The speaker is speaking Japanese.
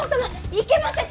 いけません！